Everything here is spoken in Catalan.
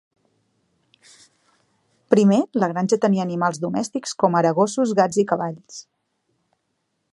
Primer, la granja tenia animals domèstics com ara gossos, gats i cavalls.